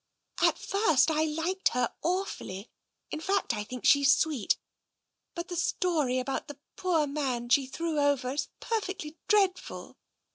" At first I liked her awfully. In fact, I think she's sweet. But the story about the poor man she threw over is perfectly dreadful.